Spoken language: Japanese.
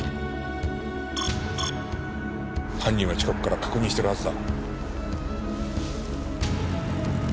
犯人は近くから確認してるはずだ。